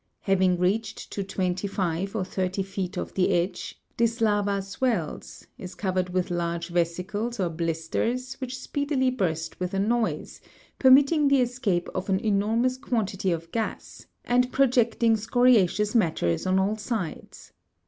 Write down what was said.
Having reached to twenty five or thirty feet of the edge, this lava swells, is covered with large vesicles or blisters, which speedily burst with a noise, permitting the escape of an enormous quantity of gas, and projecting scoriaceous matters on all sides.